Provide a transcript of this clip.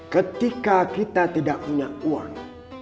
ketika kita tidak punya uang